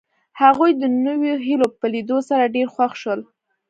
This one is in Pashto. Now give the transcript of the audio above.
هغوی د نویو هیلو په لیدو سره ډېر خوښ شول